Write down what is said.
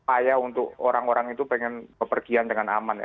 ayah untuk orang orang itu pengen berpergian dengan aman ya